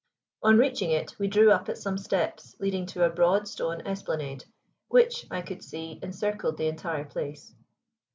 On reaching it we drew up at some steps leading to a broad stone esplanade, which, I could see, encircled the entire place.